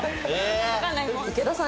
池田さん